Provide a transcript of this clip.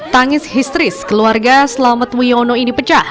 tangis histeris keluarga selamet wiono ini pecah